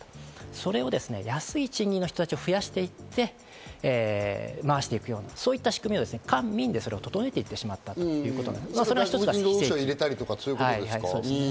それを安い賃金の人たちを増やしていって、回していくような、そういう仕組みを官・民で整えていってしまっ外国人労働者を入れたりということですか？